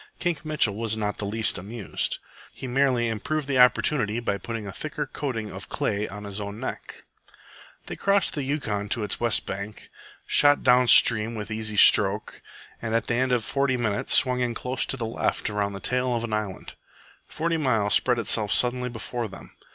Kink Mitchell was not in the least amused. He merely improved the opportunity by putting a thicker coating of clay on his own neck. They crossed the Yukon to its west bank, shot down stream with easy stroke, and at the end of forty minutes swung in close to the left around the tail of an island. Forty Mile spread itself suddenly before them.